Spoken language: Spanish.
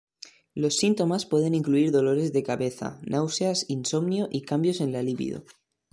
Los síntomas pueden incluir dolores de cabeza, náuseas, insomnio y cambios en la libido.